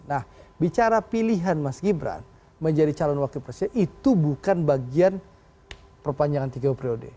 nah bicara pilihan mas gibran menjadi calon wakil presiden itu bukan bagian perpanjangan tiga periode